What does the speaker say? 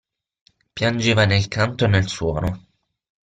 Piangeva nel canto e nel suono.